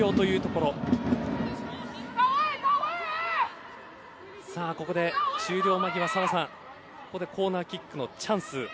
ここで、終了間際に澤さんコーナーキックのチャンス。